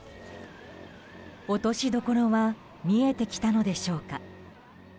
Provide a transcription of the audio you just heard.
落としどころは見えてきたのでしょうか。